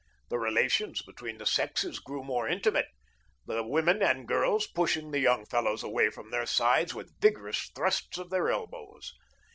The relations between the sexes grew more intimate, the women and girls pushing the young fellows away from their sides with vigorous thrusts of their elbows.